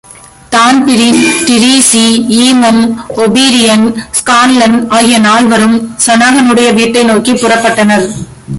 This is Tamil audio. Dan Breen, Treacy, Eamon O'Brien, Scanlan ஆகிய நால்வரும் ஷனாகனுடைய வீட்டை நோக்கிப் புறப்பட்டனர்.